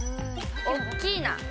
おっきーな。